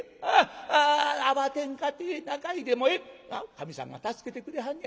神さんが助けてくれはんね